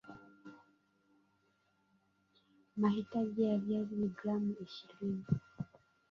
mahitaji ya viazi ni gram ishirini